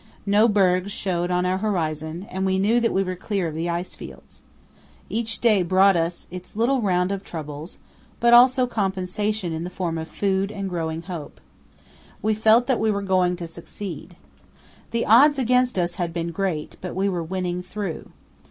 No bergs showed on our horizon, and we knew that we were clear of the ice fields. Each day brought its little round of troubles, but also compensation in the form of food and growing hope. We felt that we were going to succeed. The odds against us had been great, but we were winning through.